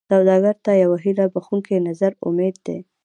سوالګر ته یو هيله بښونکی نظر امید دی